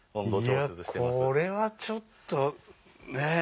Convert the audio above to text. いやこれはちょっとね。